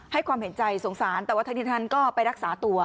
ให้ความเห็นใจสงสารแต่ว่าทั้งทั้งก็ไปรักษาตัว